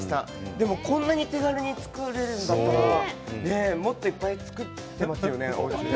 でもこんなに手軽に作れるんだったらもっといっぱい作っていますよね。